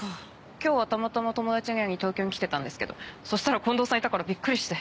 今日はたまたま友達に会いに東京に来てたんですけどそしたら近藤さんいたからビックリして。